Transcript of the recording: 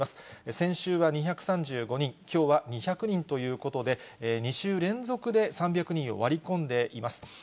先週は２３５人、きょうは２００人ということで、２週連続で３００人を割り込んでいます。